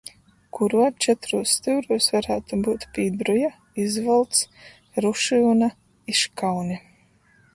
Kuruo četrūs styurūs varātu byut Pīdruja, Izvolts, Rušyuna i Škaune.